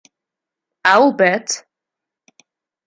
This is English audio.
I'll bet.